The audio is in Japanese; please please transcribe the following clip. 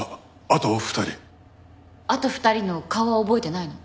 あと２人の顔は覚えてないの？